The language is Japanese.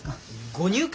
ご入会？